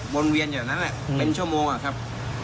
บนเวียนอยู่ตรงนั้นแหละเป็นชั่วโมงอ่ะครับครับ